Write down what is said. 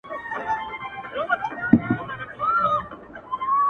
له نمرود څخه د کبر جام نسکور سو،،!